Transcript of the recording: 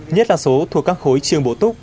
nhất là số thuộc các khối trường bổ túc